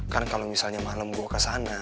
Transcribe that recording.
kan kalo misalnya malem gue kesana